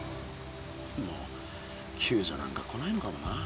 もうきゅうじょなんか来ないのかもな。